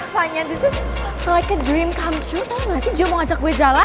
vanya ini kayak mimpi yang tiba tiba ternyata mau jalan